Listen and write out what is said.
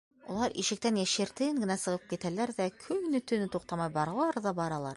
Улар ишектән йәшертен генә сығып китәләр ҙә көнө-төнө туҡтамай баралар ҙа баралар.